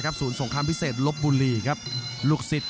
รับทราบบรรดาศักดิ์